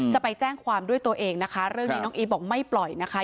จะไปแจ้งความด้วยตัวเองนะคะเรื่องนี้น้องอีฟบอกไม่ปล่อยนะคะ